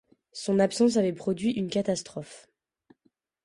Son absence avait produit une catastrophe.